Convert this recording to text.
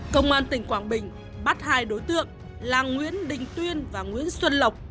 công an tỉnh quảng bình bắt hai đối tượng là nguyễn đình tuyên và nguyễn xuân lộc